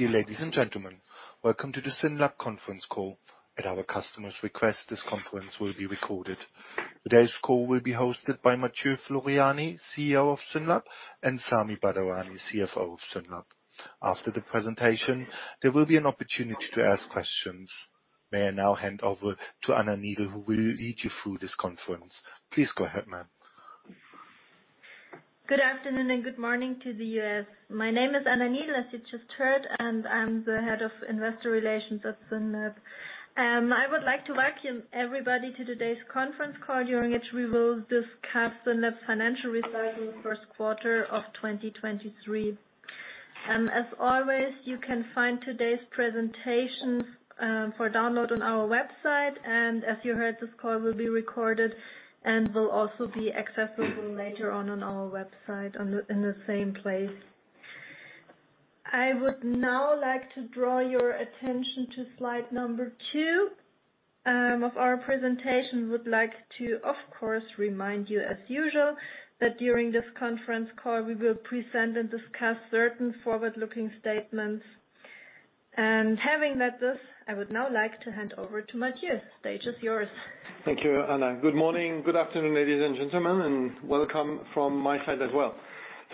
Dear ladies and gentlemen, welcome to the SYNLAB conference call. At our customer's request, this conference will be recorded. Today's call will be hosted by Mathieu Floreani, CEO of SYNLAB, and Sami Badar-Ani, CFO of SYNLAB. After the presentation, there will be an opportunity to ask questions. May I now hand over to Anna Niedl, who will lead you through this conference. Please go ahead, ma'am. Good afternoon and good morning to the U.S. My name is Anna Niedl, as you just heard, and I'm the Head of Investor Relations at SYNLAB. I would like to welcome everybody to today's conference call, during which we will discuss SYNLAB's financial results for the first quarter of 2023. As always, you can find today's presentation for download on our website. As you heard, this call will be recorded and will also be accessible later on our website in the same place. I would now like to draw your attention to slide number 2 of our presentation. Would like to, of course, remind you as usual, that during this conference call we will present and discuss certain forward-looking statements. Having said this, I would now like to hand over to Mathieu. Stage is yours. Thank you, Anna. Good morning, good afternoon, ladies and gentlemen, and welcome from my side as well.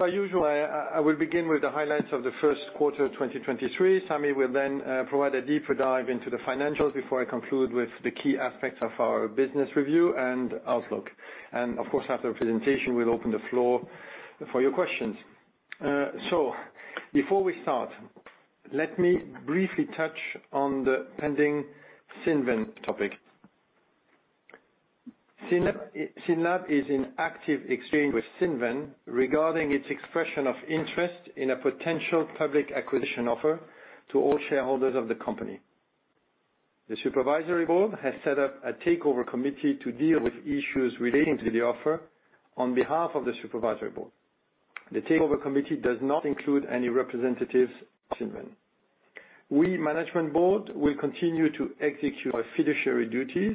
As usual, I will begin with the highlights of the first quarter of 2023. Sami will then provide a deeper dive into the financials before I conclude with the key aspects of our business review and outlook. Of course, after the presentation, we'll open the floor for your questions. Before we start, let me briefly touch on the pending Cinven topic. SYNLAB is in active exchange with Cinven regarding its expression of interest in a potential public acquisition offer to all shareholders of the company. The Supervisory Board has set up a takeover committee to deal with issues relating to the offer on behalf of the Supervisory Board. The takeover committee does not include any representatives of Cinven. We management board will continue to execute our fiduciary duties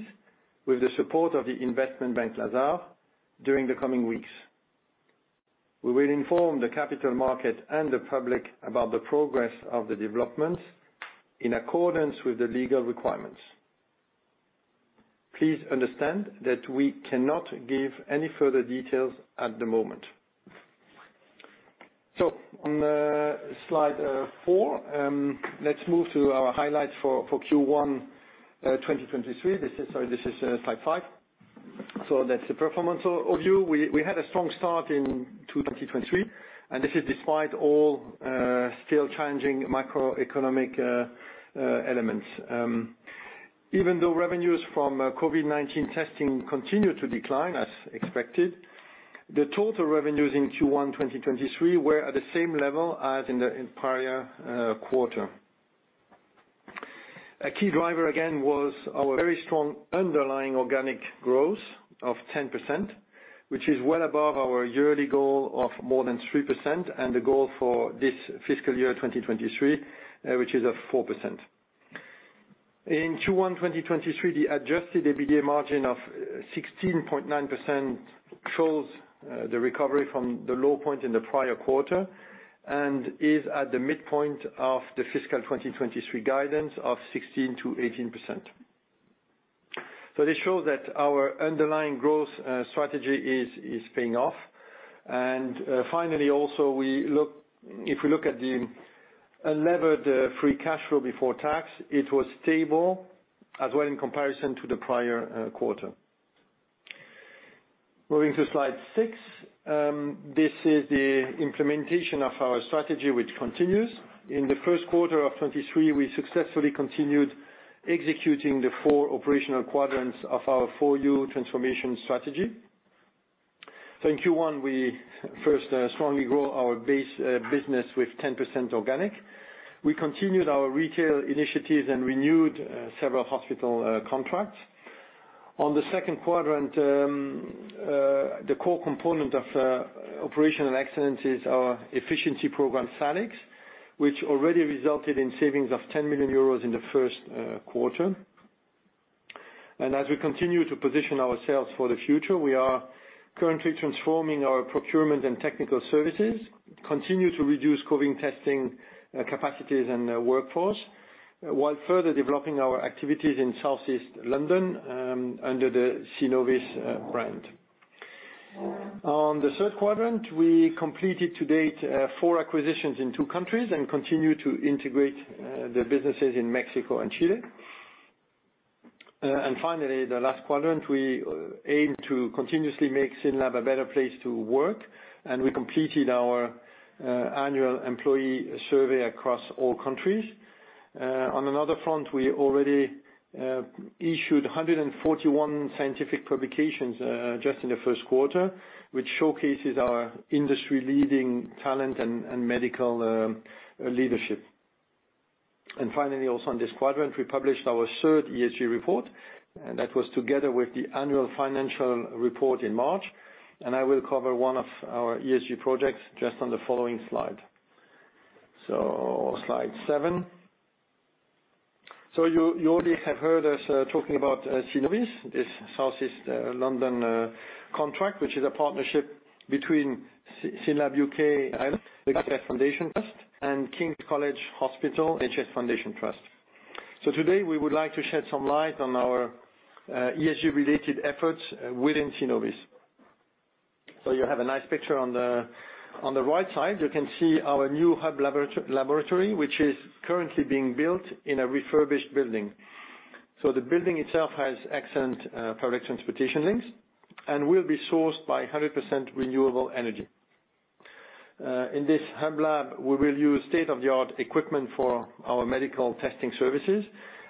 with the support of the investment bank Lazard during the coming weeks. We will inform the capital market and the public about the progress of the developments in accordance with the legal requirements. Please understand that we cannot give any further details at the moment. On slide 4, let's move to our highlights for Q1 2023. This is slide 5. That's the performance of you. We had a strong start in 2023, and this is despite all still challenging macroeconomic elements. Even though revenues from COVID-19 testing continued to decline as expected, the total revenues in Q1 2023 were at the same level as in the prior quarter. A key driver again was our very strong underlying organic growth of 10%, which is well above our yearly goal of more than 3% and the goal for this fiscal year 2023, which is of 4%. In Q1 2023, the adjusted EBITDA margin of 16.9% shows the recovery from the low point in the prior quarter and is at the midpoint of the fiscal 2023 guidance of 16% to 18%. This shows that our underlying growth strategy is paying off. Finally, also if we look at the unlevered free cash flow before tax, it was stable as well in comparison to the prior quarter. Moving to slide 6, this is the implementation of our strategy which continues. In the first quarter of 2023, we successfully continued executing the four operational quadrants of our FOR YOU transformation strategy. In Q1, we first strongly grow our base business with 10% organic. We continued our retail initiatives and renewed several hospital contracts. On the second quadrant, the core component of operational excellence is our efficiency program, SALIX, which already resulted in savings of 10 million euros in the first quarter. As we continue to position ourselves for the future, we are currently transforming our procurement and technical services, continue to reduce COVID testing capacities in the workforce, while further developing our activities in Southeast London under the Synnovis brand. On the third quadrant, we completed to date four acquisitions in two countries and continue to integrate the businesses in Mexico and Chile. Finally, the last quadrant, we aim to continuously make SYNLAB a better place to work, and we completed our annual employee survey across all countries. On another front, we already issued 141 scientific publications just in the first quarter, which showcases our industry-leading talent and medical leadership. Finally, also on this quadrant, we published our third ESG report, and that was together with the annual financial report in March. I will cover one of our ESG projects just on the following slide. Slide 7. You already have heard us talking about Synnovis, this South East London contract, which is a partnership between SYNLAB UK and the Guy NHS Foundation Trust and King's College Hospital NHS Foundation Trust. Today we would like to shed some light on our ESG related efforts within Synnovis. You have a nice picture on the right side. You can see our new hub laboratory, which is currently being built in a refurbished building. The building itself has excellent public transportation links and will be sourced by 100% renewable energy. In this hub lab, we will use state-of-the-art equipment for our medical testing services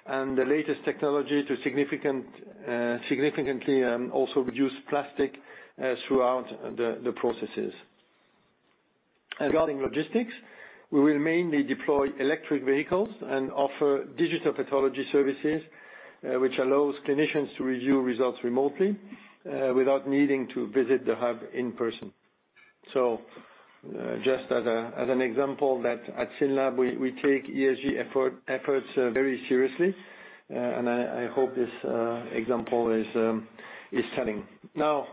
and the latest technology to significantly also reduce plastic throughout the processes. Regarding logistics, we will mainly deploy electric vehicles and offer digital pathology services, which allows clinicians to review results remotely without needing to visit the hub in person. Just as an example that at SYNLAB, we take ESG efforts very seriously. I hope this example is telling. Now,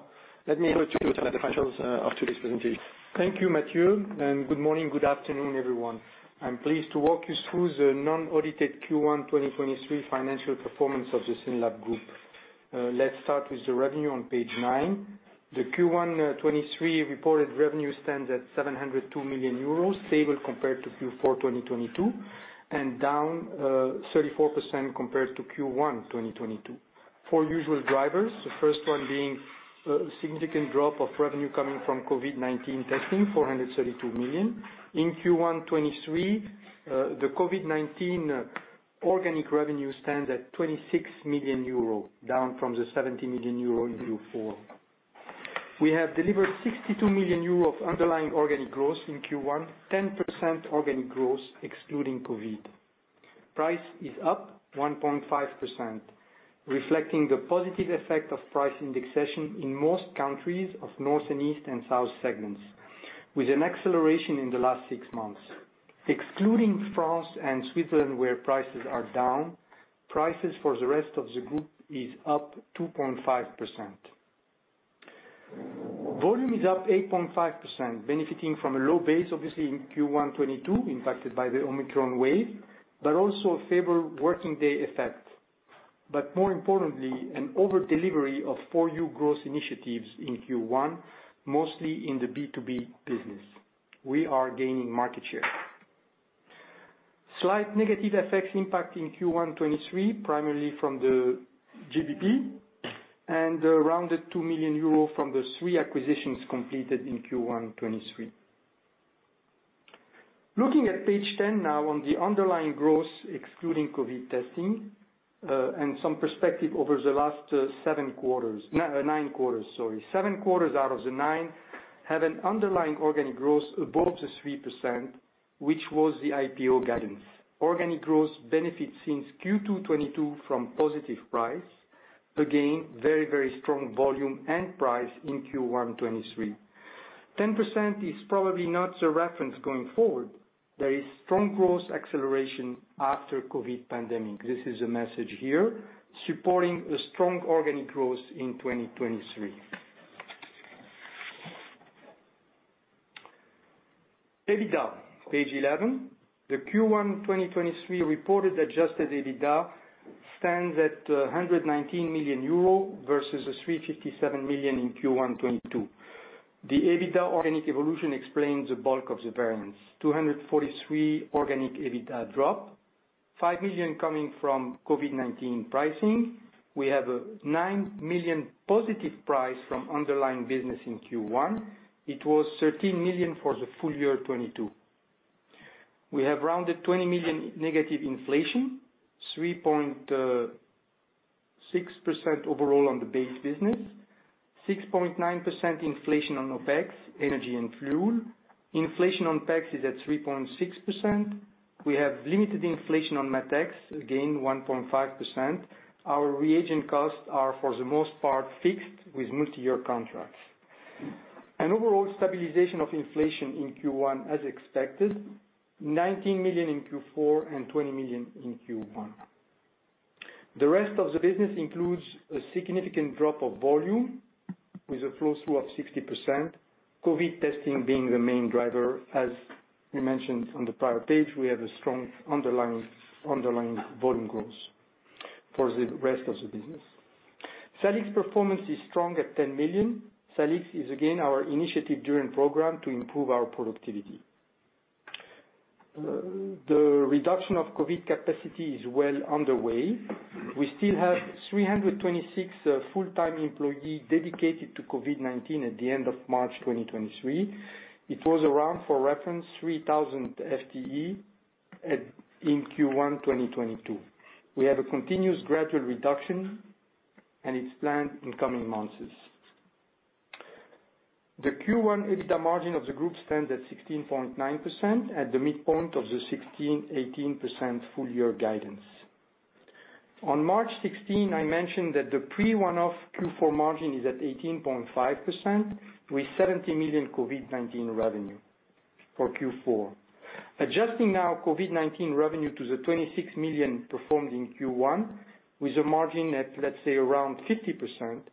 let me hand you to Mathieu for the financials of today's presentation. Thank you, Mathieu. Good morning, good afternoon, everyone. I'm pleased to walk you through the non-audited Q1 2023 financial performance of the SYNLAB Group. Let's start with the revenue on page 9. The Q1 2023 reported revenue stands at 702 million euros, stable compared to Q4 2022, and down 34% compared to Q1 2022. Four usual drivers, the first one being a significant drop of revenue coming from COVID-19 testing, 432 million. In Q1 2023, the COVID-19 organic revenue stands at 26 million euro, down from the 70 million euro in Q4. We have delivered 62 million euro of underlying organic growth in Q1, 10% organic growth excluding COVID-19. Price is up 1.5%, reflecting the positive effect of price indexation in most countries of North and East and South segments, with an acceleration in the last six months. Excluding France and Switzerland, where prices are down, prices for the rest of the group is up 2.5%. Volume is up 8.5%, benefiting from a low base, obviously in Q1 2022, impacted by the Omicron wave, also a favorable working day effect. More importantly, an over delivery of FOR YOU growth initiatives in Q1, mostly in the B2B business. We are gaining market share. Slight negative effects impact in Q1 2023, primarily from the GDP and around 2 million from the three acquisitions completed in Q1 2023. Looking at page 10 now on the underlying growth excluding COVID-19 testing, and some perspective over the last seven quarters. 9 quarters, 7 quarters out of the 9 have an underlying organic growth above the 3%, which was the IPO guidance. Organic growth benefits since Q2, 2022 from positive price. Very, very strong volume and price in Q1, 2023. 10% is probably not the reference going forward. There is strong growth acceleration after COVID-19 pandemic. This is a message here supporting a strong organic growth in 2023. EBITDA, page 11. The Q1, 2023 reported adjusted EBITDA stands at 119 million euro, versus 357 million in Q1, 2022. The EBITDA organic evolution explains the bulk of the variance. 243 million organic EBITDA drop, 5 million coming from COVID-19 pricing. We have a 9 million positive price from underlying business in Q1. It was 13 million for the full year, 2022. We have rounded 20 million negative inflation, 3.6% overall on the base business. 6.9% inflation on OpEx, energy and fuel. Inflation on tax is at 3.6%. We have limited inflation on MatEx, again, 1.5%. Our reagent costs are, for the most part, fixed with multi-year contracts. Overall stabilization of inflation in Q1 as expected, 19 million in Q4 and 20 million in Q1. The rest of the business includes a significant drop of volume with a flow through of 60%. COVID testing being the main driver. As we mentioned on the prior page, we have a strong underlying volume growth for the rest of the business. SALIX performance is strong at 10 million. SALIX is again our initiative during program to improve our productivity. The reduction of COVID-19 capacity is well underway. We still have 326 full-time employee dedicated to COVID-19 at the end of March 2023. It was around, for reference, 3,000 FTE in Q1 2022. We have a continuous gradual reduction, and it's planned in coming months. The Q1 EBITDA margin of the group stands at 16.9% at the midpoint of the 16% to 18% full year guidance. On March 16, I mentioned that the pre one-off Q4 margin is at 18.5% with 70 million COVID-19 revenue for Q4. Adjusting now COVID-19 revenue to the 26 million performed in Q1 with a margin at, let's say, around 50%,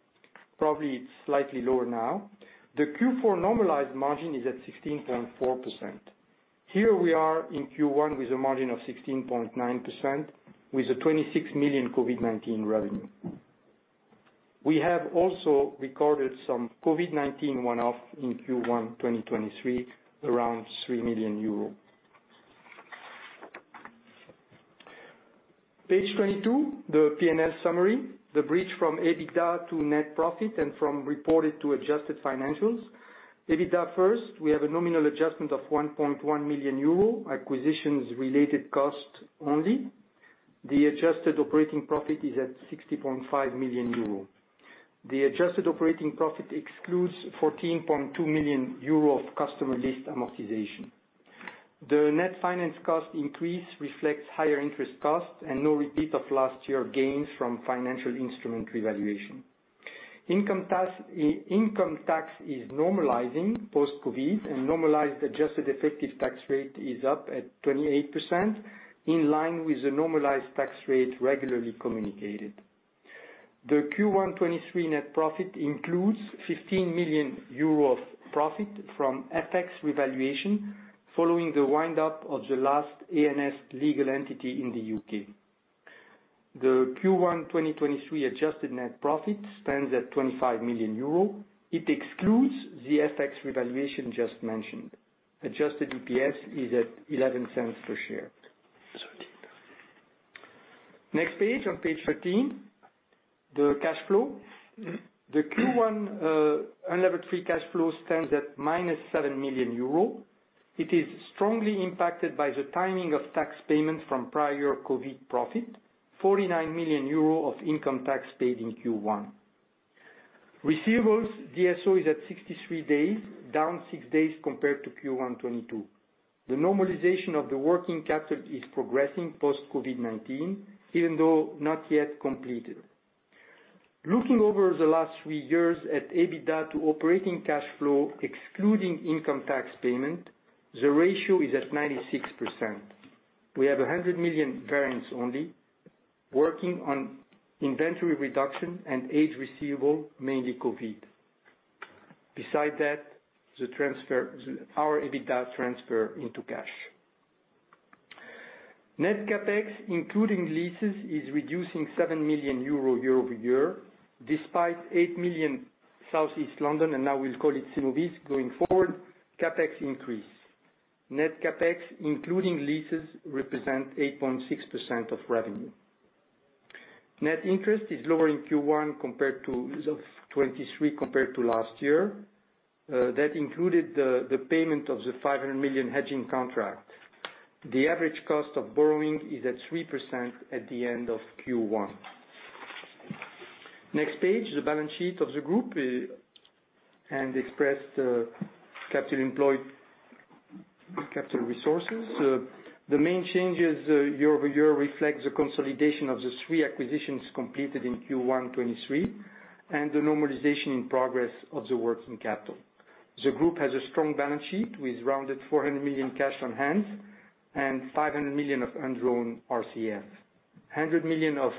probably it's slightly lower now. The Q4 normalized margin is at 16.4%. Here we are in Q1 with a margin of 16.9% with a 26 million COVID-19 revenue. We have also recorded some COVID-19 one-off in Q1 2023, around EUR 3 million. Page 22, the P&L summary, the bridge from EBITDA to net profit and from reported to adjusted financials. EBITDA first, we have a nominal adjustment of 1.1 million euro, acquisitions-related cost only. The adjusted operating profit is at 60.5 million euro. The adjusted operating profit excludes 14.2 million euro of customer list amortization. The net finance cost increase reflects higher interest costs and no repeat of last year gains from financial instrument revaluation. Income tax is normalizing post-COVID, and normalized adjusted effective tax rate is up at 28%, in line with the normalized tax rate regularly communicated. The Q1 2023 net profit includes 15 million euros profit from FX revaluation following the wind up of the last ANS legal entity in the UK. The Q1 2023 adjusted net profit stands at 25 million euro. It excludes the FX revaluation just mentioned. Adjusted EPS is at 0.11 per share. Next page, on page 13, the cash flow. The Q1 unlevered free cash flow stands at minus 7 million euro. It is strongly impacted by the timing of tax payments from prior COVID-19 profit, 49 million euro of income tax paid in Q1. Receivables, DSO is at 63 days, down 6 days compared to Q1 2022. The normalization of the working capital is progressing post COVID-19, even though not yet completed. Looking over the last 3 years at EBITDA to operating cash flow, excluding income tax payment, the ratio is at 96%. We have a 100 million variance only working on inventory reduction and age receivable, mainly COVID-19. Beside that, our EBITDA transfer into cash. Net CapEx, including leases, is reducing 7 million euro year-over-year, despite 8 million Southeast London, and now we'll call it Synnovis going forward, CapEx increase. Net CapEx, including leases, represent 8.6% of revenue. Net interest is lower in Q1 compared to 2023 compared to last year. That included the payment of the 500 million hedging contract. The average cost of borrowing is at 3% at the end of Q1. Next page, the balance sheet of the group, express the capital resources. The main changes year-over-year reflect the consolidation of the 3 acquisitions completed in Q1 2023, the normalization in progress of the working capital. The group has a strong balance sheet with rounded 400 million cash on hand and 500 million of undrawn RCF. 100 million of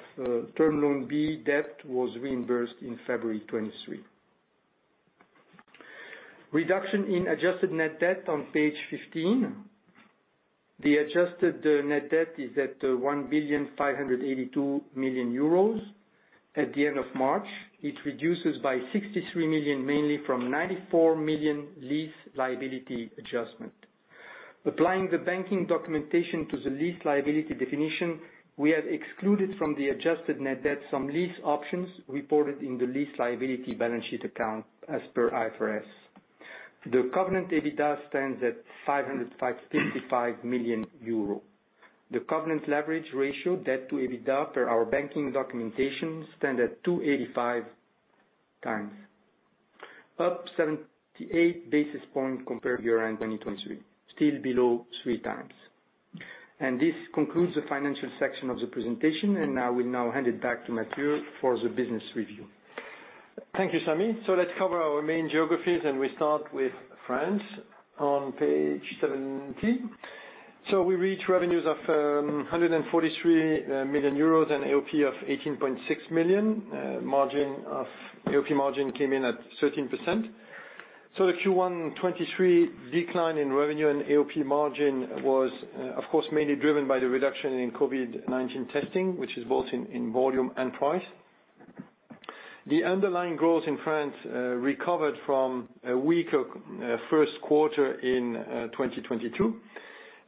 Term Loan B debt was reimbursed in February 2023. Reduction in adjusted net debt on page 15. The adjusted net debt is at 1,582 million euros at the end of March. It reduces by 63 million, mainly from 94 million lease liability adjustment. Applying the banking documentation to the lease liability definition, we have excluded from the adjusted net debt some lease options reported in the lease liability balance sheet account as per IFRS. The covenant EBITDA stands at 555 million euro. The covenant leverage ratio, debt to EBITDA per our banking documentation, stand at 2.85 times, up 78 basis points compared year-end 2020. Still below 3 times. This concludes the financial section of the presentation, and I will now hand it back to Mathieu for the business review. Thank you, Sammy. Let's cover our main geographies, and we start with France on page 17. We reach revenues of 143 million euros and AOP of 18.6 million. AOP margin came in at 13%. The Q1 2023 decline in revenue and AOP margin was, of course, mainly driven by the reduction in COVID-19 testing, which is both in volume and price. The underlying growth in France recovered from a weaker first quarter in 2022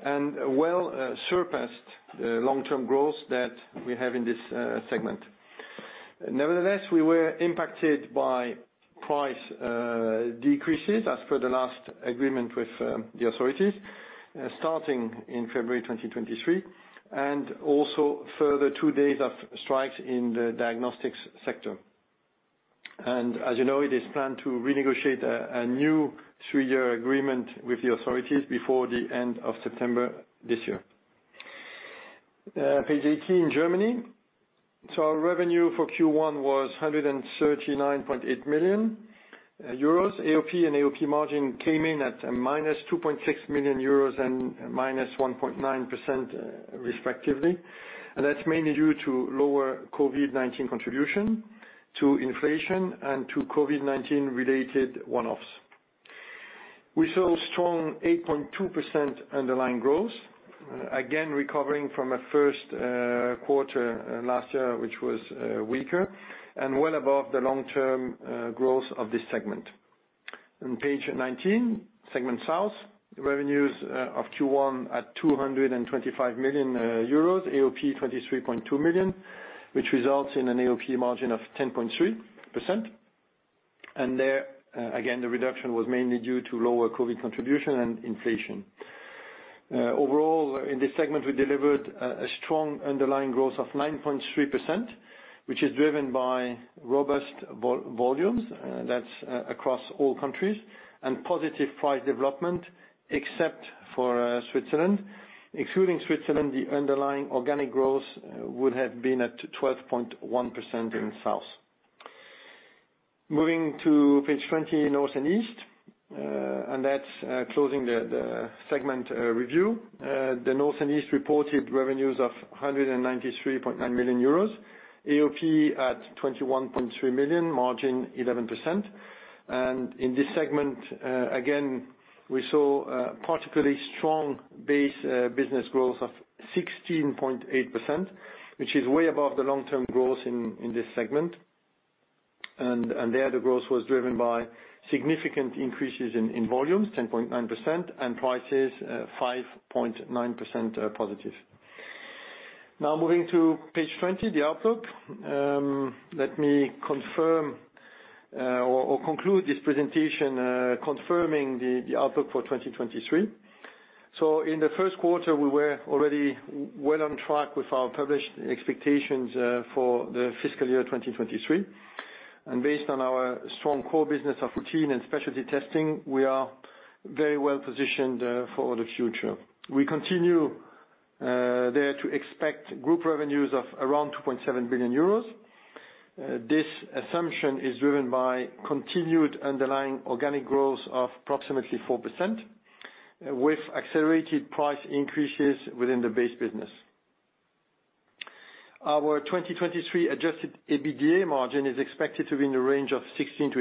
and well surpassed the long-term growth that we have in this segment. Nevertheless, we were impacted by price decreases as per the last agreement with the authorities, starting in February 2023, and also further two days of strikes in the diagnostics sector. As you know, it is planned to renegotiate a new 3-year agreement with the authorities before the end of September this year. Page 18, Germany. Our revenue for Q1 was 139.8 million euros. AOP and AOP margin came in at a minus 2.6 million euros and minus 1.9% respectively. That's mainly due to lower COVID-19 contribution to inflation and to COVID-19 related one-offs. We saw strong 8.2% underlying growth, again recovering from a 1st quarter last year, which was weaker and well above the long-term growth of this segment. On page 19, segment South. Revenues of Q1 at 225 million euros. AOP 23.2 million, which results in an AOP margin of 10.3%. There, again, the reduction was mainly due to lower COVID contribution and inflation. Overall, in this segment, we delivered a strong underlying growth of 9.3%, which is driven by robust volumes across all countries, and positive price development except for Switzerland. Excluding Switzerland, the underlying organic growth would have been at 12.1% in South. Moving to page 20, North and East, and that's closing the segment review. The North and East reported revenues of 193.9 million euros. AOP at 21.3 million, margin 11%. In this segment, again, we saw a particularly strong base business growth of 16.8%, which is way above the long-term growth in this segment. There, the growth was driven by significant increases in volumes, 10.9%, and prices, 5.9%, positive. Moving to page 20, the outlook. Let me confirm or conclude this presentation, confirming the outlook for 2023. In the first quarter, we were already well on track with our published expectations for the fiscal year 2023. Based on our strong core business of routine and specialty testing, we are very well positioned for the future. We continue there to expect group revenues of around 2.7 billion euros. This assumption is driven by continued underlying organic growth of approximately 4%, with accelerated price increases within the base business. Our 2023 adjusted EBITDA margin is expected to be in the range of 16% to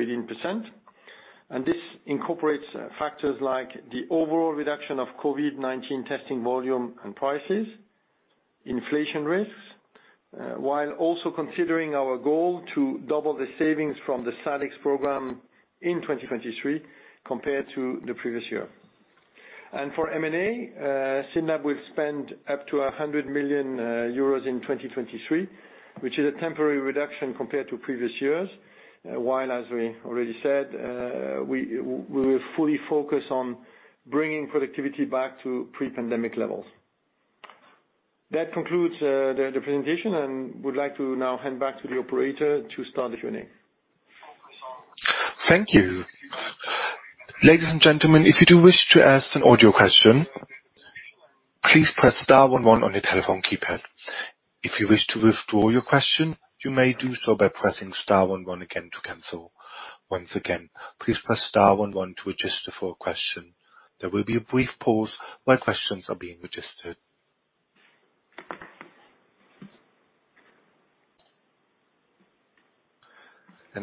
18%. This incorporates factors like the overall reduction of COVID-19 testing volume and prices, inflation risks, while also considering our goal to double the savings from the SALIX program in 2023 compared to the previous year. For M&A, SYNLAB will spend up to 100 million euros in 2023, which is a temporary reduction compared to previous years. As we already said, we will fully focus on bringing productivity back to pre-pandemic levels. That concludes the presentation and would like to now hand back to the operator to start the Q&A. Thank you. Ladies and gentlemen, if you do wish to ask an audio question, please press star 1 1 on your telephone keypad. If you wish to withdraw your question, you may do so by pressing star 1 1 again to cancel. Once again, please press star 1 1 to register for a question. There will be a brief pause while questions are being registered.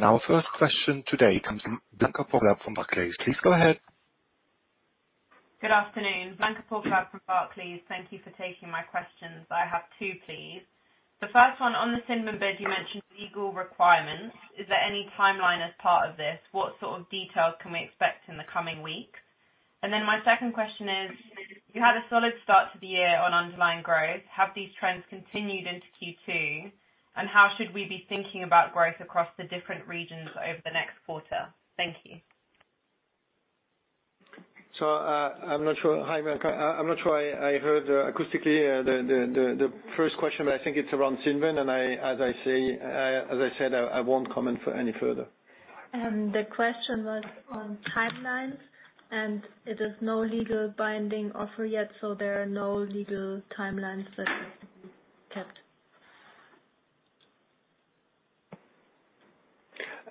Our first question today comes from Blanca Paul from Barclays. Please go ahead. Good afternoon, Blanca Paul from Barclays. Thank you for taking my questions. I have two, please. The first one, on the Cinven bid, you mentioned legal requirements. Is there any timeline as part of this? What sort of details can we expect in the coming week? My second question is: You had a solid start to the year on underlying growth. Have these trends continued into Q2? How should we be thinking about growth across the different regions over the next quarter? Thank you. I'm not sure. Hi, Blanca. I'm not sure I heard acoustically the first question, but I think it's around Cinven and I, as I say, as I said, I won't comment for any further. The question was on timelines, and it is no legal binding offer yet, so there are no legal timelines that have to be kept.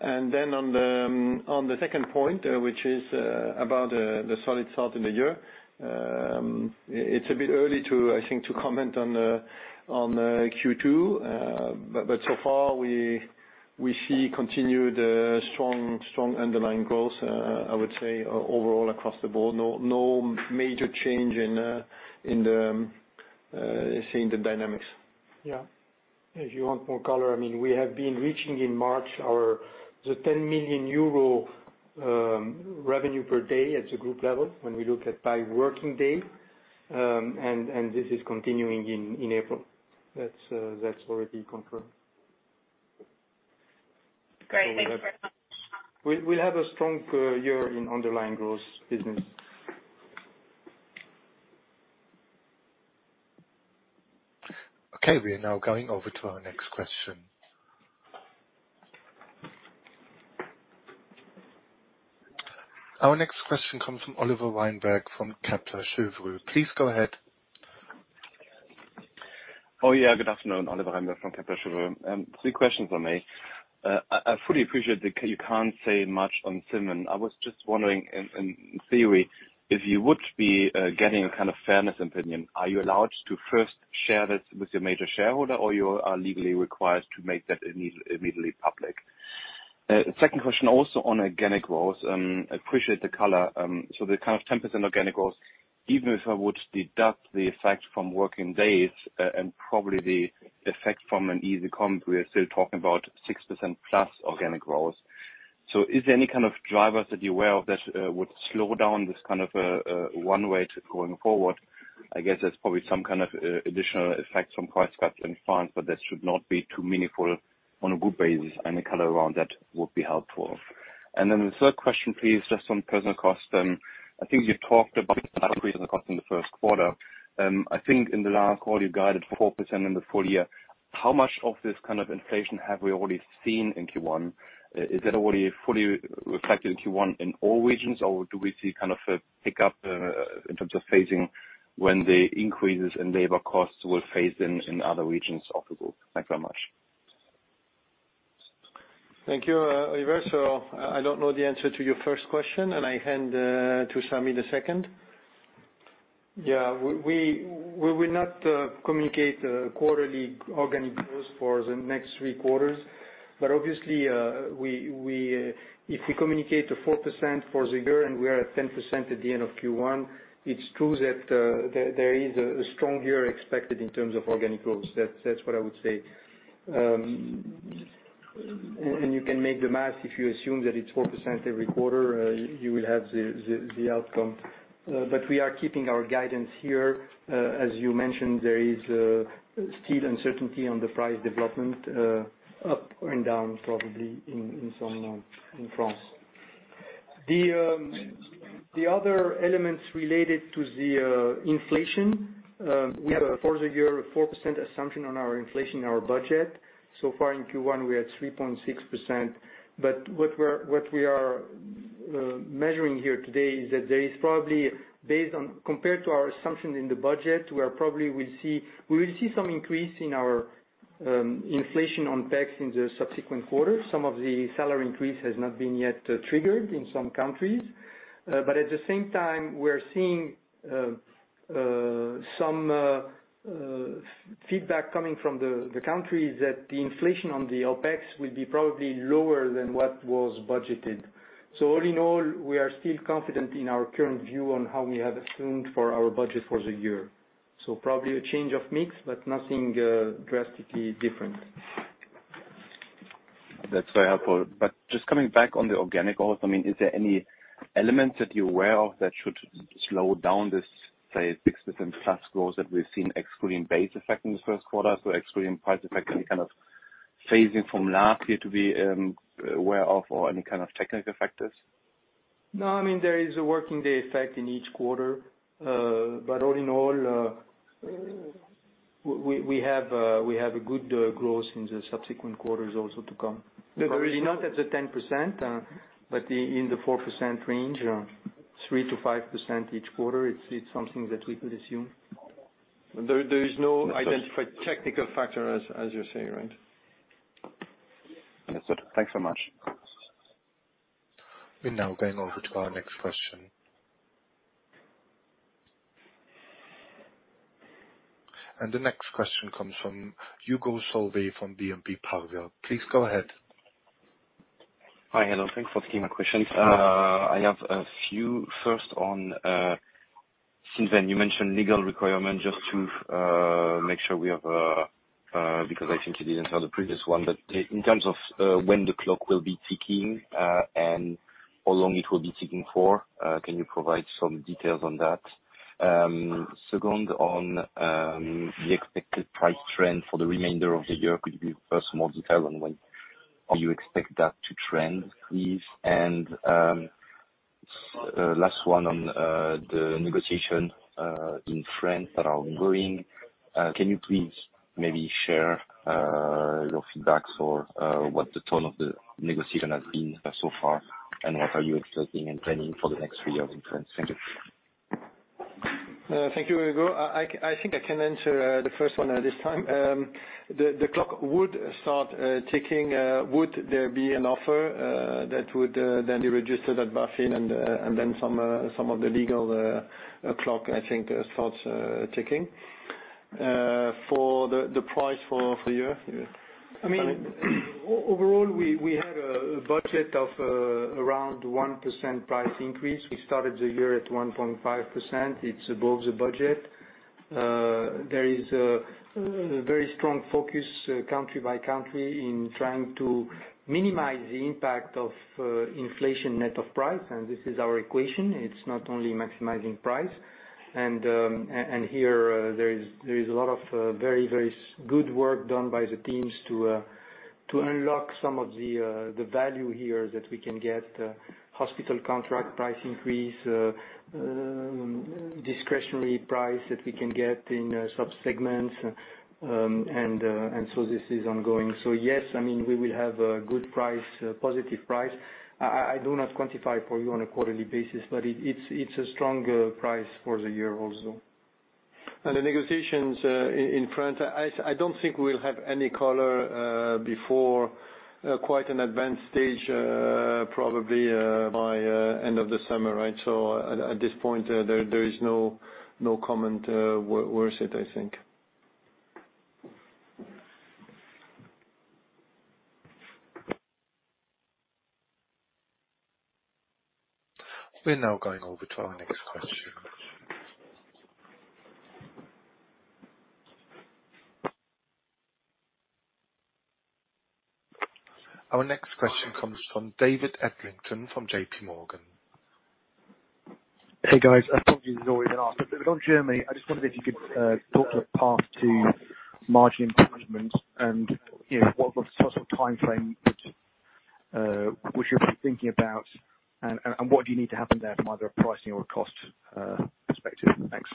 On the second point, which is about the solid start in the year. It's a bit early to, I think, to comment on Q2. But so far we see continued strong underlying growth, I would say overall across the board. No major change in the say in the dynamics. If you want more caller, I mean, we have been reaching in March our, the 10 million euro revenue per day at the group level when we look at by working day. This is continuing in April. That's already confirmed. Great. Thanks very much. We'll have a strong year in underlying growth business. Okay, we are now going over to our next question. Our next question comes from Oliver Weinberg from Kepler Cheuvreux. Please go ahead. Yeah. Good afternoon, Oliver Weinberg from Kepler Cheuvreux. Three questions on me. I fully appreciate that you can't say much on Cinven. I was just wondering in theory, if you would be getting a kind of fairness opinion, are you allowed to first share this with your major shareholder, or you are legally required to make that immediately public? Second question also on organic growth. Appreciate the caller. The kind of 10% organic growth, even if I would deduct the effect from working days, and probably the effect from an easy comp, we are still talking about 6% plus organic growth. Is there any kind of drivers that you're aware of that would slow down this kind of one way to going forward? I guess that's probably some kind of additional effect from price cuts in France. That should not be too meaningful on a group basis. Any caller around that would be helpful. The third question, please, just on personal cost. I think you talked about personal cost in the first quarter. I think in the last call, you guided 4% in the full year. How much of this kind of inflation have we already seen in Q1? Is that already fully reflected in Q1 in all regions, or do we see kind of a pickup in terms of phasing when the increases in labor costs will phase in other regions of the group? Thanks very much. Thank you, Oliver. I don't know the answer to your first question, and I hand to Sami the second. We will not communicate quarterly organic growth for the next three quarters. Obviously, we, if we communicate a 4% for the year, and we are at 10% at the end of Q1, it's true that there is a strong year expected in terms of organic growth. That's what I would say. You can make the math. If you assume that it's 4% every quarter, you will have the outcome. We are keeping our guidance here. As you mentioned, there is still uncertainty on the price development, up and down, probably in some in France. The other elements related to the inflation, We have, for the year, a 4% assumption on our inflation, our budget. Far in Q1, we're at 3.6%. What we are measuring here today is that there is probably, compared to our assumption in the budget, we will see some increase in our inflation on tax in the subsequent quarters. Some of the salary increase has not been yet triggered in some countries. At the same time, we're seeing some feedback coming from the countries that the inflation on the OpEx will be probably lower than what was budgeted. All in all, we are still confident in our current view on how we have assumed for our budget for the year. Probably a change of mix, but nothing drastically different. Just coming back on the organic growth, I mean, is there any elements that you're aware of that should slow down this, say, 6% plus growth that we've seen excluding base effect in the first quarter, so excluding price effect, any kind of phasing from last year to be aware of or any kind of technical factors? I mean, there is a working day effect in each quarter. All in all, we have a good growth in the subsequent quarters also to come. Really not at the 10%, but in the 4% range, 3% to 5% each quarter. It's something that we could assume. There is no identified technical factor as you say, right? Understood. Thanks so much. We're now going over to our next question. The next question comes from Hugo Solvet from BNP Paribas. Please go ahead. Hi. Hello. Thanks for taking my questions. I have a few. First, on Cinven, you mentioned legal requirement just to make sure we have, because I think you didn't have the previous one. In terms of when the clock will be ticking, and how long it will be ticking for, can you provide some details on that? Second, on the expected price trend for the remainder of the year, could you give us more details on when or you expect that to trend, please? Last one on the negotiation in France that are ongoing. Can you please maybe share your feedbacks or what the tone of the negotiation has been so far, and what are you expecting and planning for the next 3 years in France? Thank you. Thank you, Hugo. I think I can answer the first one this time. The clock would start ticking, would there be an offer that would then be registered at BaFin and then some of the legal clock, I think, starts ticking. For the price for the year? I mean, overall, we had a budget of around 1% price increase. We started the year at 1.5%. It's above the budget. There is a very strong focus country by country in trying to minimize the impact of inflation net of price. This is our equation. It's not only maximizing price. Here, there is a lot of very good work done by the teams to unlock some of the value here that we can get, hospital contract price increase, discretionary price that we can get in subsegments. This is ongoing. Yes, I mean, we will have a good price, a positive price. I do not quantify for you on a quarterly basis, but it's a strong price for the year also. The negotiations in France, I don't think we'll have any caller before quite an advanced stage, probably by end of the summer, right? At this point, there is no comment worth it, I think. We're now going over to our next question. Our next question comes from David Adlington from JP Morgan. Hey, guys. I've talked to you this already, but on Germany, I just wondered if you could talk to the path to margin improvement and, you know, what the sort of timeframe that would you be thinking about and what do you need to happen there from either a pricing or a cost perspective? Thanks.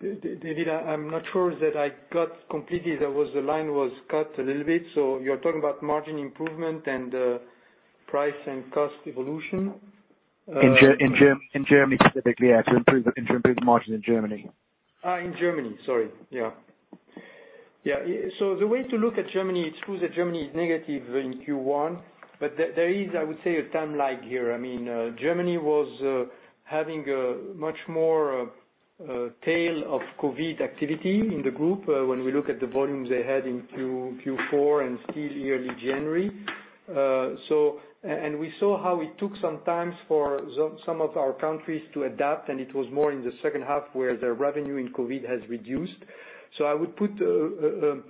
David, I'm not sure that I got completely. The line was cut a little bit. You're talking about margin improvement and price and cost evolution? In Germany specifically, yeah, to improve the margin in Germany. In Germany. The way to look at Germany, it's true that Germany is negative in Q1, but there is, I would say, a timeline here. I mean, Germany was having a much more tail of COVID activity in the group when we look at the volumes they had in Q4 and still early January. And we saw how it took some time for some of our countries to adapt, and it was more in the second half where their revenue in COVID has reduced. I would put a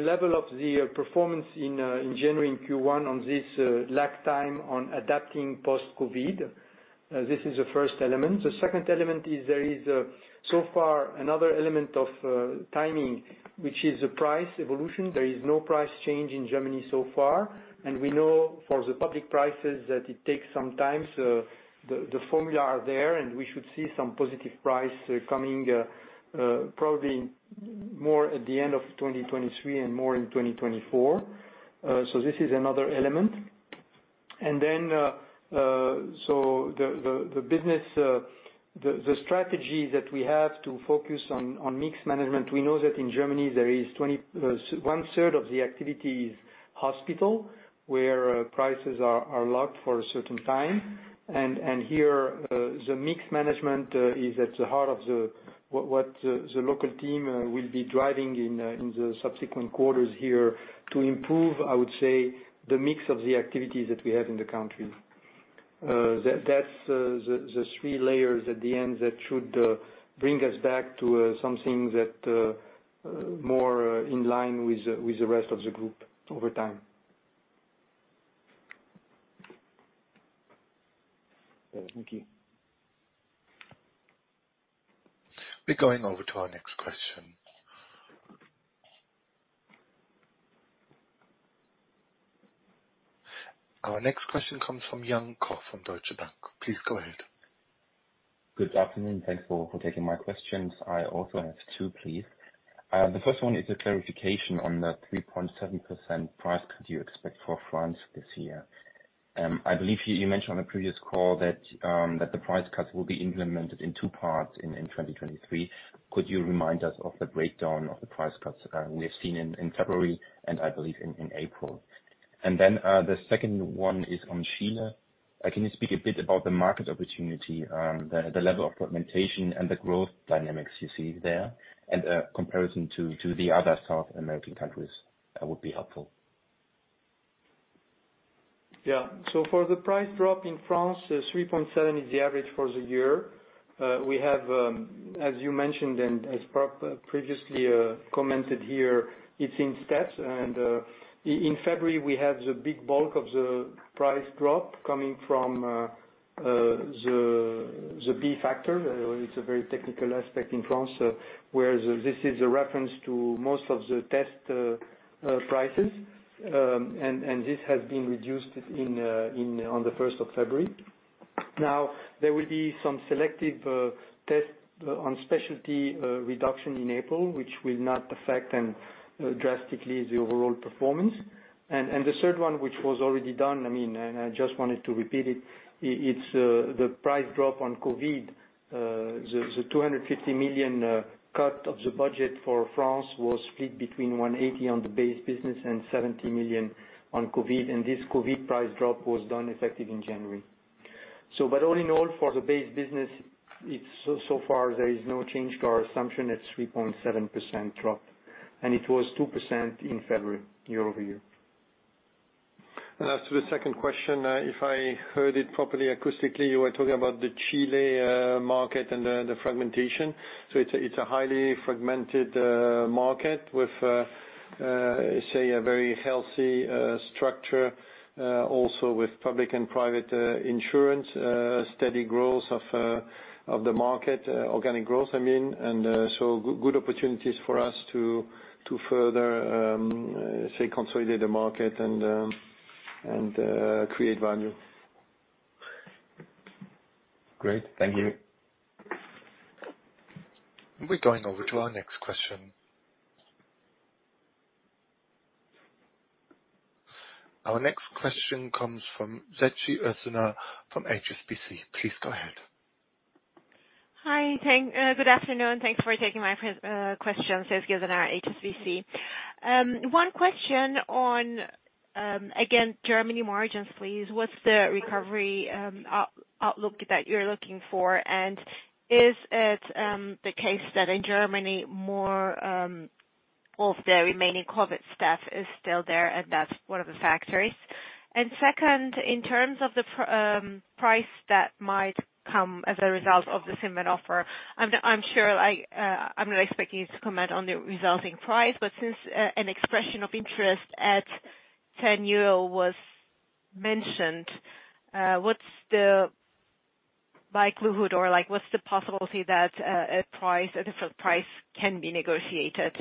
level of the performance in January and Q1 on this lag time on adapting post-COVID. This is the first element. The second element is there is so far another element of timing, which is the price evolution. There is no price change in Germany so far. We know for the public prices that it takes some time. The formula are there, and we should see some positive price coming, probably more at the end of 2023 and more in 2024. This is another element. The business, the strategy that we have to focus on mix management, we know that in Germany there is one-third of the activity is hospital, where prices are locked for a certain time. Here, the mix management is at the heart of the what the local team will be driving in the subsequent quarters here to improve, I would say, the mix of the activities that we have in the country. That's the three layers at the end that should bring us back to something that more in line with the rest of the group over time. Thank you. We're going over to our next question. Our next question comes from Jan Koch from Deutsche Bank. Please go ahead. Good afternoon. Thanks for taking my questions. I also have two, please. The first one is a clarification on the 3.7% price cut you expect for France this year. I believe you mentioned on a previous call that the price cuts will be implemented in two parts in 2023. Could you remind us of the breakdown of the price cuts we've seen in February and I believe in April? The second one is on Chile. Can you speak a bit about the market opportunity, the level of fragmentation and the growth dynamics you see there and comparison to the other South American countries would be helpful. So for the price drop in France, 3.7 is the average for the year. We have, as you mentioned and as previously commented here, it's in steps. In February, we have the big bulk of the price drop coming from the B-Faktor. It's a very technical aspect in France, where this is a reference to most of the test prices. And this has been reduced on the 1st of February. There will be some selective tests on specialty reduction in April, which will not affect drastically the overall performance. The third one, which was already done, I mean, and I just wanted to repeat it. It's the price drop on COVID. The 250 million cut of the budget for France was split between 180 million on the base business and 70 million on COVID. This COVID price drop was done effective in January. All in all, for the base business, it's so far there is no change to our assumption. It's 3.7% drop, and it was 2% in February year-over-year. As to the second question, if I heard it properly acoustically, you were talking about the Chile market and the fragmentation. It's a highly fragmented market with say a very healthy structure also with public and private insurance steady growth of the market organic growth, I mean, good opportunities for us to further say consolidate the market and create value. Great. Thank you. We're going over to our next question. Our next question comes from Zetchi Ersana from HSBC. Please go ahead. Hi, good afternoon. Thanks for taking my question. Zetchi Ersana, HSBC. One question on again, Germany margins, please. What's the recovery outlook that you're looking for? Is it the case that in Germany more of the remaining COVID staff is still there, and that's one of the factors? Second, in terms of the price that might come as a result of the Cinven offer, I'm sure, like, I'm not expecting you to comment on the resulting price, but since an expression of interest at 10 euro was mentioned, what's the likelihood or, like, what's the possibility that a different price can be negotiated?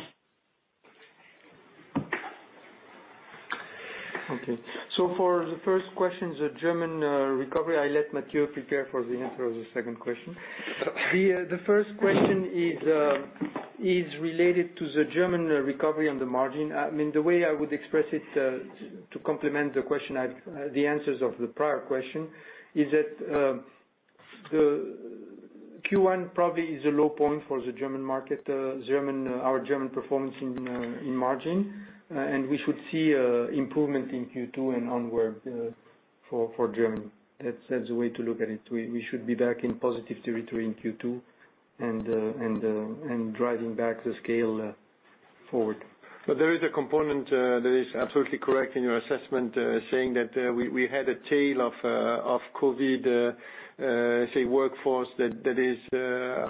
Okay. For the first question, the German recovery, I let Mathieu prepare for the answer of the second question. The first question is related to the German recovery on the margin. I mean, the way I would express it to complement the question at the answers of the prior question, is that the Q1 probably is a low point for the German market, our German performance in margin. We should see an improvement in Q2 and onward for Germany. That's, that's the way to look at it. We should be back in positive territory in Q2 and driving back the scale forward. There is a component that is absolutely correct in your assessment, saying that we had a tail of COVID, say workforce that is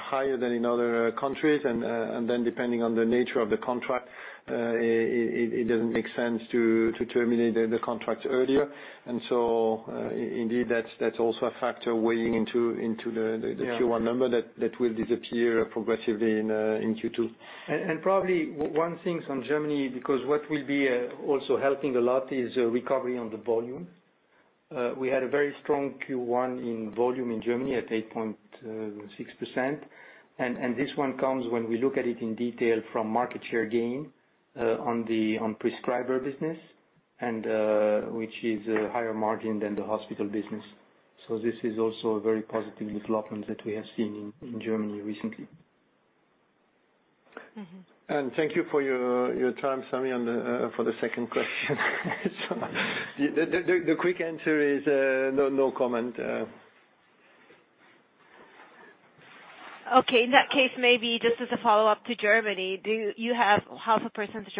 higher than in other countries. Then depending on the nature of the contract, it doesn't make sense to terminate the contract earlier. Indeed, that's also a factor weighing into the. Q1 number that will disappear progressively in Q2. Probably one thing from Germany, because what will be also helping a lot is recovery on the volume. We had a very strong Q1 in volume in Germany at 8.6%. This one comes when we look at it in detail from market share gain on the prescriber business, and which is a higher margin than the hospital business. This is also a very positive development that we have seen in Germany recently. Thank you for your time, Sammy, on the for the second question. The quick answer is no comment. Okay. In that case, maybe just as a follow-up to Germany, do you have half a % of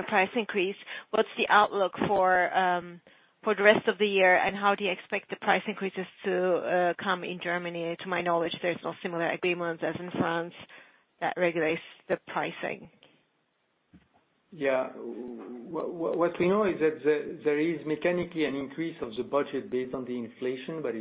price increase? What's the outlook for the rest of the year, and how do you expect the price increases to come in Germany? To my knowledge, there's no similar agreements as in France that regulates the pricing. Yeah. What we know is that there is mechanically an increase of the budget based on the inflation, but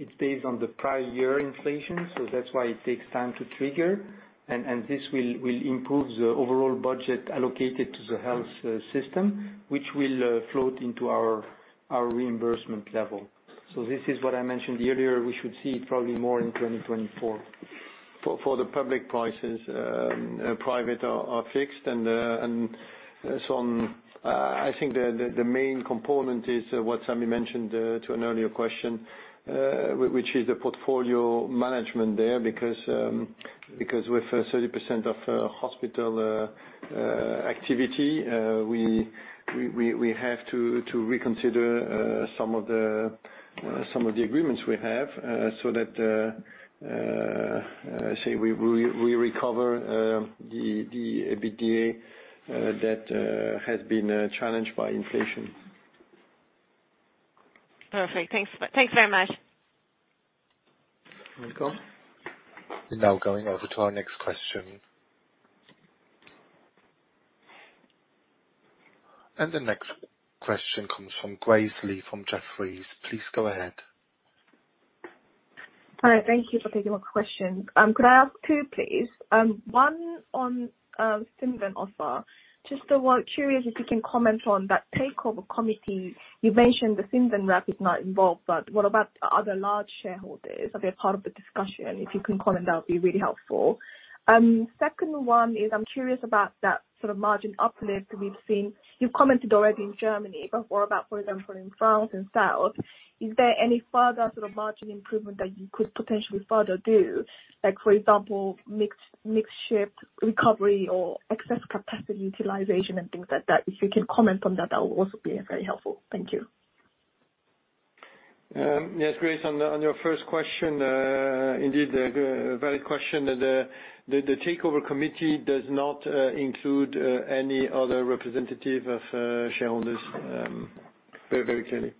it's based on the prior year inflation, so that's why it takes time to trigger. This will improve the overall budget allocated to the health system, which will float into our reimbursement level. This is what I mentioned earlier, we should see probably more in 2024. For the public prices, private are fixed, and some. I think the main component is what Sammy mentioned to an earlier question, which is the portfolio management there because with 30% of hospital activity, we have to reconsider some of the agreements we have so that say we recover the EBITDA that has been challenged by inflation. Perfect. Thanks. Thanks very much. Welcome. We're now going over to our next question. The next question comes from Grace Li from Jefferies. Please go ahead. Hi, thank you for taking my question. Could I ask two, please? One on Cinven offer. Just I was curious if you can comment on that takeover committee. You mentioned the Cinven rep is not involved, but what about other large shareholders? Are they a part of the discussion? If you can comment, that would be really helpful. Second one is I'm curious about that sort of margin uplift we've seen. You've commented already in Germany, but what about, for example, in France and South? Is there any further sort of margin improvement that you could potentially further do? Like, for example, mix shift recovery or excess capacity utilization and things like that. If you can comment on that would also be very helpful. Thank you. Yes, Grace, on your first question, indeed, a valid question. The takeover committee does not include any other representative of shareholders, very clearly.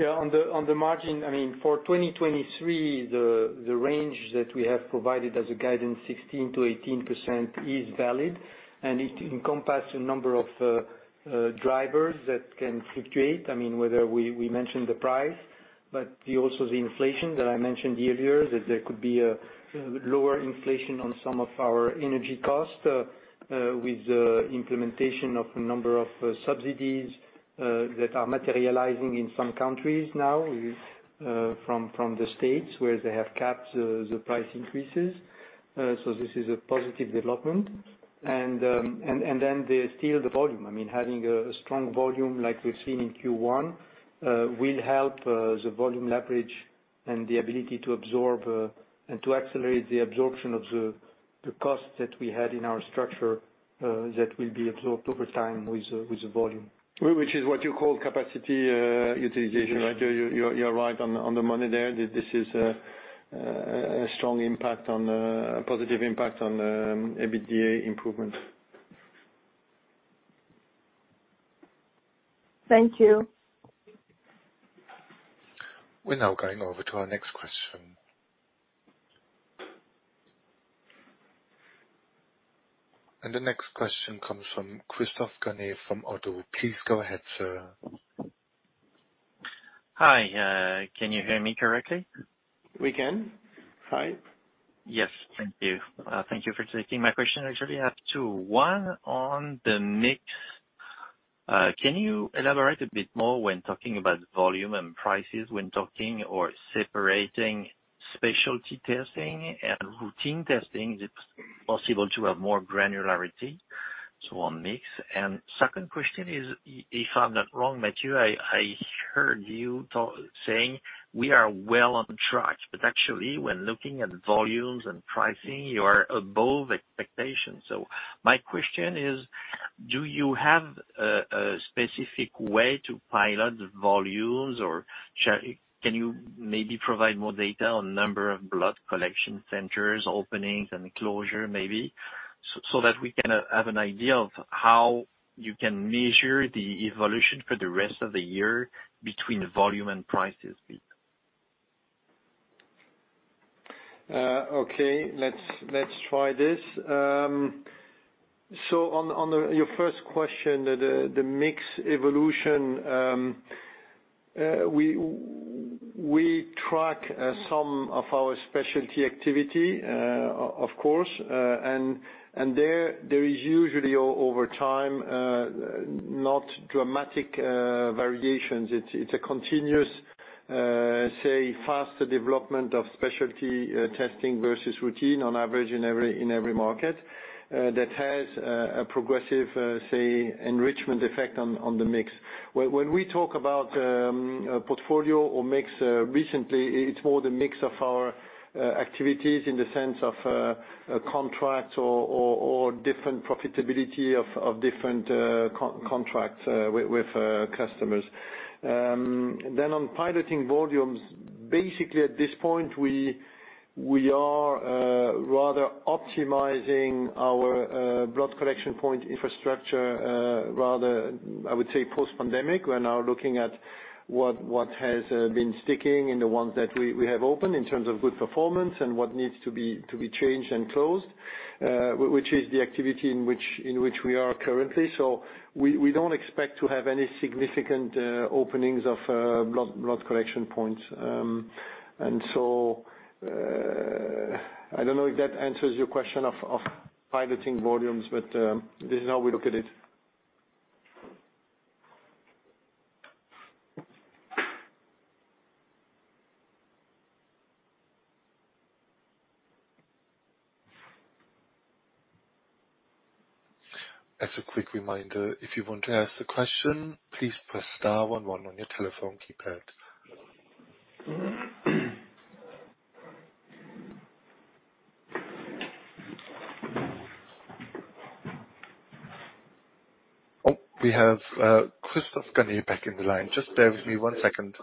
On the margin, I mean for 2023, the range that we have provided as a guidance 16% to 18% is valid, and it encompass a number of drivers that can fluctuate. I mean whether we mentioned the price, but the also the inflation that I mentioned earlier, that there could be a lower inflation on some of our energy costs with the implementation of a number of subsidies that are materializing in some countries now with from the states where they have capped the price increases. This is a positive development. still the volume. I mean, having a strong volume like we've seen in Q1, will help the volume leverage and the ability to absorb, and to accelerate the absorption of the costs that we had in our structure, that will be absorbed over time with the volume. Which is what you call capacity, utilization, right? You're right on the money there. This is a strong impact, a positive impact on EBITDA improvement. Thank you. We're now going over to our next question. The next question comes from Christophe-Raphaël Ganet Ganet from Oddo. Please go ahead, sir. Hi, can you hear me correctly? We can. Hi. Yes. Thank you. Thank you for taking my question. Actually, I have two. One on the mix. Can you elaborate a bit more when talking about volume and prices when talking or separating specialty testing and routine testing, if possible, to have more granularity? On mix. Second question is, if I'm not wrong, Matthieu, I heard you saying we are well on track, but actually when looking at volumes and pricing, you are above expectations. My question is, do you have a specific way to pilot the volumes or can you maybe provide more data on number of blood collection centers, openings and closure, maybe, so that we can have an idea of how you can measure the evolution for the rest of the year between volume and prices? Okay, let's try this. On your first question, the mix evolution, we track some of our specialty activity of course, and there is usually over time not dramatic variations. It's a continuous, say, faster development of specialty testing versus routine on average in every market that has a progressive, say, enrichment effect on the mix. When we talk about portfolio or mix recently, it's more the mix of our activities in the sense of a contract or different profitability of different contracts with customers. On piloting volumes, basically at this point, we are rather optimizing our blood collection point infrastructure, rather, I would say post-pandemic. We're now looking at what has been sticking in the ones that we have opened in terms of good performance and what needs to be changed and closed, which is the activity in which we are currently. We don't expect to have any significant openings of blood collection points. I don't know if that answers your question of piloting volumes, but this is how we look at it. As a quick reminder, if you want to ask a question, please press star 1 1 on your telephone keypad. Oh, we have Christophe-Raphael Ganet back in the line. Just bear with me one second.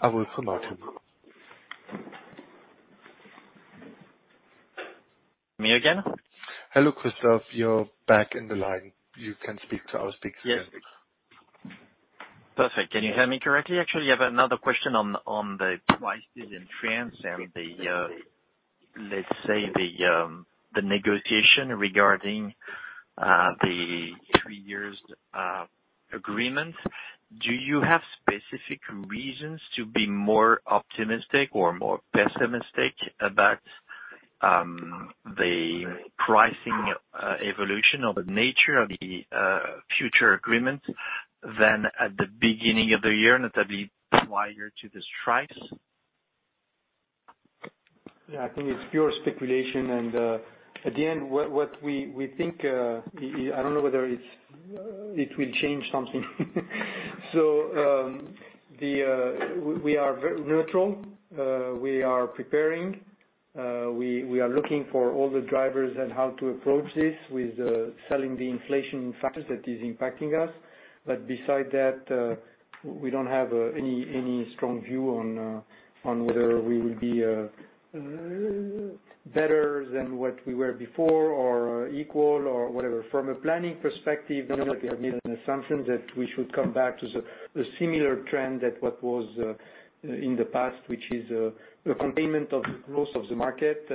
I will promote him. Me again. Hello, Christophe. You're back in the line. You can speak to our speakers then. Yes. Perfect. Can you hear me correctly? Actually, I have another question on the prices in France and the let's say the negotiation regarding the three years agreement. Do you have specific reasons to be more optimistic or more pessimistic about the pricing evolution or the nature of the future agreement than at the beginning of the year, notably prior to the strikes? Yeah, I think it's pure speculation. At the end, we think, I don't know whether it will change something. We are very neutral. We are preparing. We are looking for all the drivers and how to approach this with selling the inflation factor that is impacting us. Beside that, we don't have any strong view on whether we will be better than what we were before or equal or whatever. From a planning perspective, we have made an assumption that we should come back to the similar trend that what was in the past, which is the containment of the growth of the market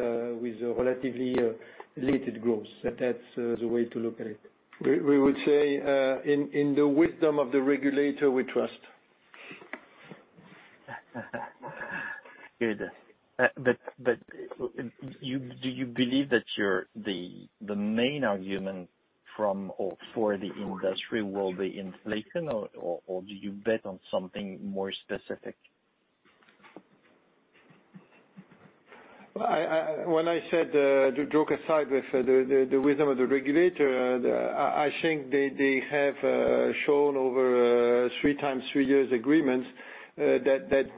with relatively related growth. That's the way to look at it. We would say, in the wisdom of the regulator, we trust. Good. Do you believe that the main argument from or for the industry will be inflation or do you bet on something more specific? When I said, joke aside with the wisdom of the regulator, I think they have shown over three times, three years agreements, that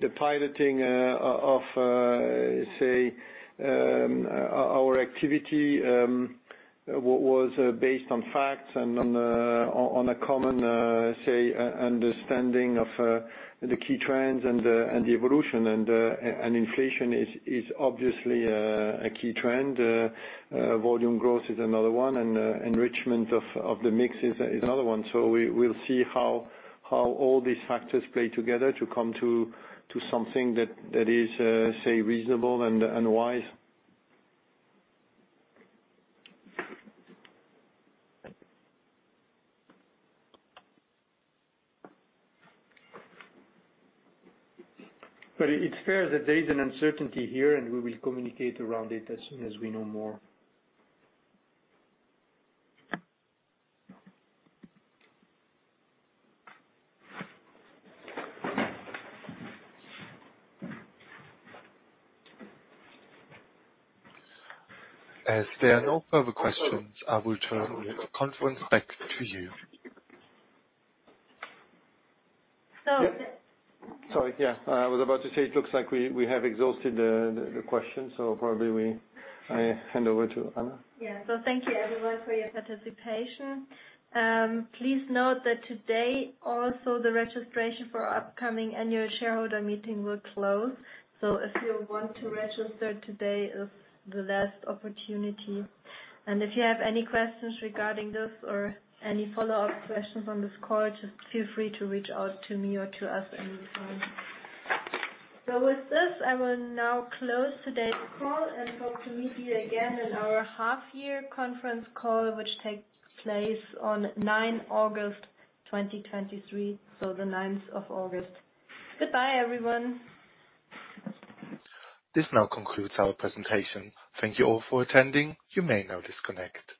the piloting of, say, our activity, was based on facts and on a common, say, understanding of the key trends and the evolution. Inflation is obviously a key trend. Volume growth is another one, and enrichment of the mix is another one. We'll see how all these factors play together to come to something that is, say, reasonable and wise. It's fair that there is an uncertainty here, and we will communicate around it as soon as we know more. As there are no further questions, I will turn the conference back to you. I was about to say it looks like we have exhausted the questions, probably I hand over to Anna. Yeah. Thank you everyone for your participation. Please note that today also the registration for our upcoming annual shareholder meeting will close. If you want to register, today is the last opportunity. If you have any questions regarding this or any follow-up questions on this call, just feel free to reach out to me or to us anytime. With this, I will now close today's call and hope to meet you again in our half-year conference call, which takes place on 9 August 2023. The 9th of August. Goodbye, everyone. This now concludes our presentation. Thank you all for attending. You may now disconnect.